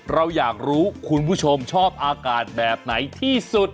เราอยากรู้คุณผู้ชมชอบอากาศแบบไหนที่สุด